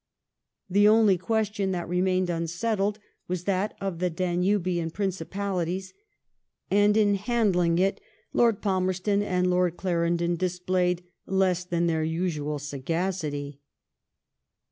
The only question that remained unsettled was that of the Danubian Principalities, and in handling it Lord Pal merston and Lord Clarendon displayed less than their usual sagacity.